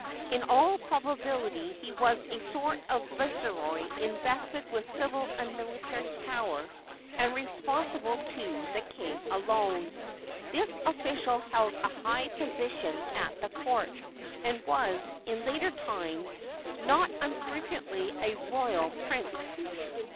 In all probability he was a sort of viceroy invested with civil and military power and responsible to the king alone. This official held a high position at the court, and was, in later times, not unfrequently a royal prince.